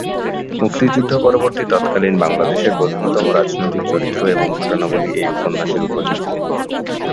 মুক্তিযুদ্ধ পরবর্তী তৎকালীন বাংলাদেশের প্রধানতম রাজনৈতিক চরিত্র এবং ঘটনাবলি এ উপন্যাসের উপজীব্য।